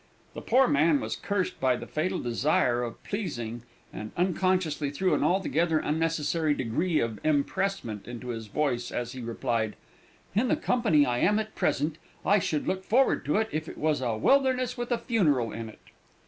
The poor man was cursed by the fatal desire of pleasing, and unconsciously threw an altogether unnecessary degree of empressement into his voice as he replied, "In the company I am at present, I should look forward to it, if it was a wilderness with a funeral in it."